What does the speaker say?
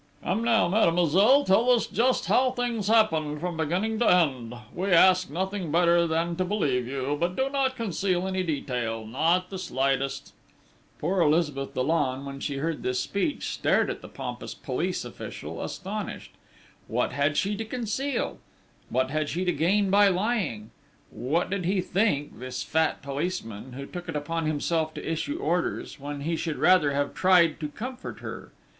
"Come now, mademoiselle, tell us just how things happened from beginning to end! We ask nothing better than to believe you, but do not conceal any detail not the slightest...." Poor Elizabeth Dollon, when she heard this speech, stared at the pompous police official, astonished. What had she to conceal? What had she to gain by lying? What did he think, this fat policeman, who took it upon himself to issue orders, when he should rather have tried to comfort her!